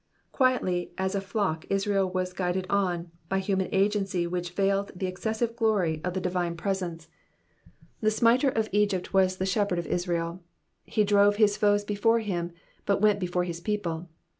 Quietly as a flock Israel was guided on, by human agency which veiled the excessive glory of the divine presence. The smiter of Egypt was the shepherd of Israel. He drove his foes before him, but went before his people.